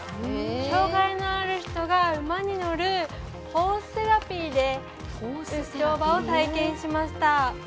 障がいのある人が馬に乗るホースセラピーで乗馬を体験しました。